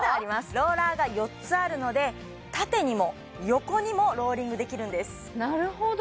ローラーが４つあるので縦にも横にもローリングできるんですなるほど！